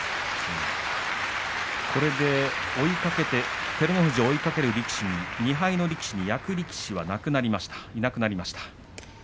これで照ノ富士を追いかけていく２敗の力士に役力士は、いなくなりました。